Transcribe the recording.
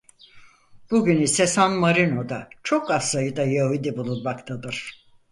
Bugün ise San Marino'da çok az sayıda Yahudi bulunmaktadır.